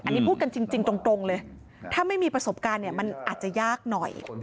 อันนี้พูดกันจริงตรงเลยถ้าไม่มีประสบการณ์เนี่ยมันอาจจะยากหน่อย